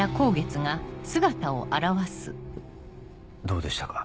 どうでしたか？